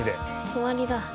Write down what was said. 終わりだ。